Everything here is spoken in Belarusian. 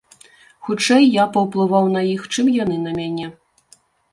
Хутчэй, я паўплываў на іх, чым яны на мяне.